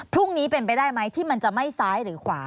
พรุ่งนี้เป็นไปได้ไหมที่มันจะไม่ซ้ายหรือขวา